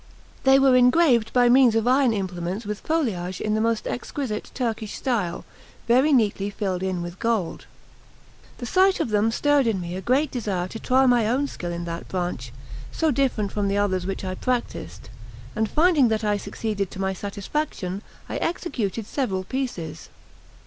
They were engraved by means of iron implements with foliage in the most exquisite Turkish style, very neatly filled in with gold. The sight of them stirred in me a great desire to try my own skill in that branch, so different from the others which I practiced; and finding that I succeeded to my satisfaction, I executed several pieces.